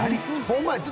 ホンマや！